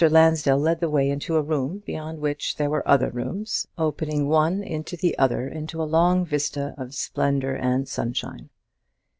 Lansdell led the way into a room, beyond which there were other rooms opening one into the other in a long vista of splendour and sunshine.